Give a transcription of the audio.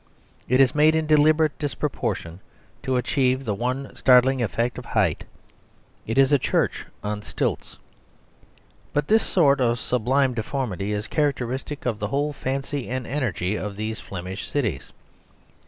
It is made in deliberate disproportion to achieve the one startling effect of height. It is a church on stilts. But this sort of sublime deformity is characteristic of the whole fancy and energy of these Flemish cities.